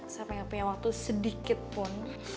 sampai gak punya waktu sedikit pun